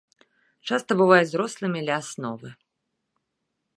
Часта бываюць зрослымі ля асновы.